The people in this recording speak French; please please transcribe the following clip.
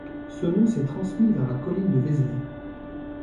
Ce nom s'est transmis vers la colline de Vézelay.